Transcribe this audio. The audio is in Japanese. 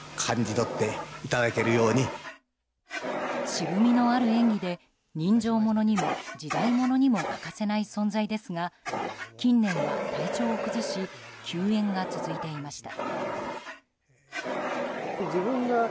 渋みのある演技で、人情物にも時代物にも欠かせない存在ですが近年は体調を崩し休演が続いていました。